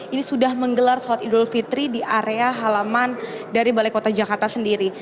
ini sudah menggelar sholat idul fitri di area halaman dari balai kota jakarta sendiri